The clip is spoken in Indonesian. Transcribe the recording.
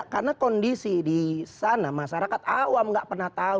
karena kondisi di sana masyarakat awam tidak pernah tahu